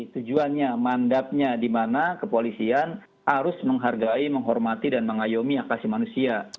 tujuannya mandatnya di mana kepolisian harus menghargai menghormati dan mengayomi hak asasi manusia